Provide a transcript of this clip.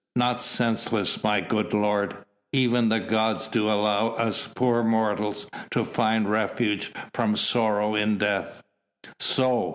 "Not senseless, my good lord. Even the gods do allow us poor mortals to find refuge from sorrow in death." "So!"